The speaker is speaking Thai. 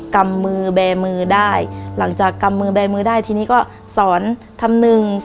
กำมือแบร์มือได้หลังจากกำมือแบร์มือได้ทีนี้ก็สอนทำหนึ่ง